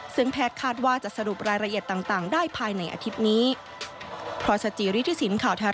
ซึ่งแพทย์คาดว่าจะสรุปรายละเอียดต่างได้ภายในอาทิตย์นี้